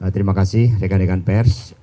terima kasih rekan rekan pers